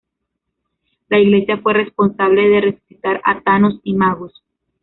La iglesia fue responsable de resucitar a Thanos y Magus.